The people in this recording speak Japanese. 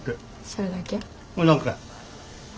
それだけ。